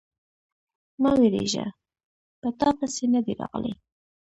_مه وېرېږه، په تاپسې نه دي راغلی.